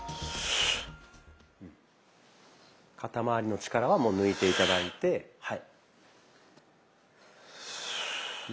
肩まわりの力はもう抜いて頂いてはい。